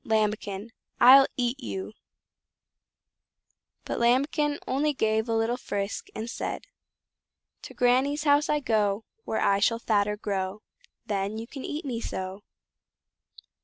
Lambikin! I'll EAT YOU!" But Lambikin only gave a little frisk, and said: "To Granny's house I go, Where I shall fatter grow, Then you can eat me so."